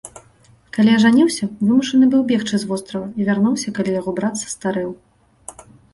Калі ажаніўся, вымушаны быў бегчы з вострава, і вярнуўся, калі яго брат састарэў.